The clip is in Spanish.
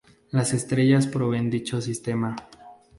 Las estrellas proveen dicho sistema.